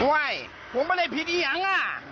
ไหวผมไม่ได้ผิดอี๋ยัง